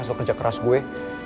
sekerja keras gue